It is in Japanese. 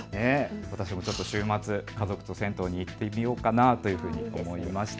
私も週末、家族と銭湯に行ってみようかなというふうに思いました。